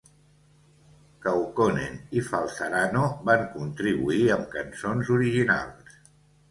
Kaukonen i Falzarano van contribuir amb cançons originals.